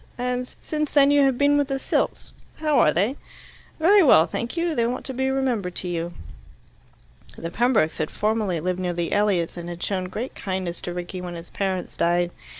And since then you have been with the Silts. How are they?" "Very well, thank you. They want to be remembered to you." The Pembrokes had formerly lived near the Elliots, and had shown great kindness to Rickie when his parents died.